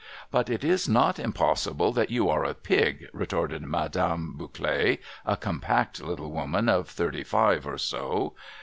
'But it is not impossible that you are a Pig!' retorted Madame Bouclet, a compact little woman of thirty five or so.